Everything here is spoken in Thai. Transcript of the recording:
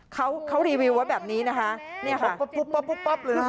เขาเขารีวิวว่าแบบนี้นะคะเนี่ยค่ะปุ๊บปุ๊บปุ๊บปุ๊บปุ๊บหรือเปล่า